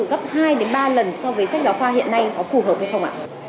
ba lần so với sách giáo khoa hiện nay có phù hợp hay không ạ